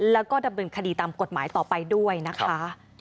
แล้วก็ดำเนินคดีตามกฎหมายต่อไปด้วยนะคะ